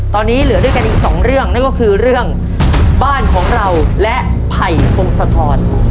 ตอนนี้เหลือด้วยกันอีกสองเรื่องนั่นก็คือเรื่องบ้านของเราและไผ่พงศธร